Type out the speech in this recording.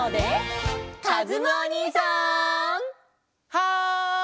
はい！